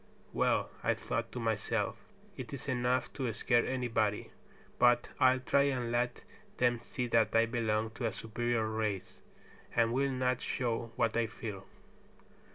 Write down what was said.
"Well," I thought to myself, "it is enough to scare anybody; but I'll try and let them see that I belong to a superior race, and will not show what I feel."